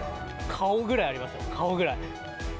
顔ぐらいありますよ、顔ぐらい。